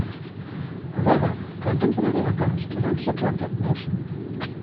However, contemporary accounts do not support that notion.